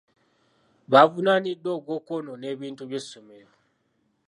Baavunaaniddwa ogw'okwonoona ebintu by'essomero.